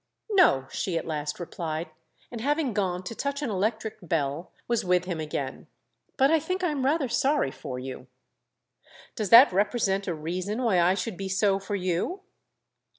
"No!" she at last replied, and, having gone to touch an electric bell, was with him again. "But I think I'm rather sorry for you." "Does that represent a reason why I should be so for you?"